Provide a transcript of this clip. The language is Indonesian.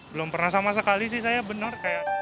belum pernah sama sekali sih saya benar